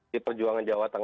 di perjuangan jawa tengah